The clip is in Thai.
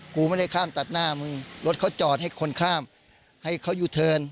กูไม่ได้ข้ามตัดหน้ามึงรถเขาจอดให้คนข้ามให้เขายูเทิร์น